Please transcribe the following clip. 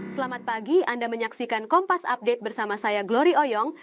selamat pagi anda menyaksikan kompas update bersama saya glori oyong